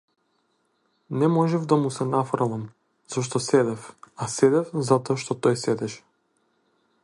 Не можев да му се нафрлам, зашто седев, а седев затоа што тој седеше.